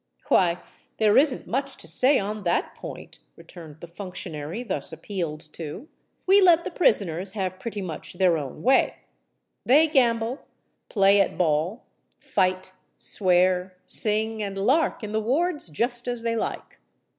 "Why, there isn't much to say on that point," returned the functionary thus appealed to. "We let the prisoners have pretty much their own way: they gamble, play at ball, fight, swear, sing, and lark in the wards just as they like."